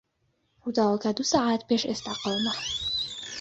ڕووداوەکە دوو سەعات پێش ئێستا قەوما.